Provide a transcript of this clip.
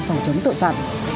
phòng chống tội phạm